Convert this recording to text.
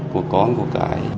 của con của cãi